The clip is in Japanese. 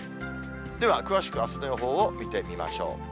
では、詳しくあすの予報を見てみましょう。